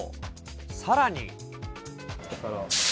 さらに。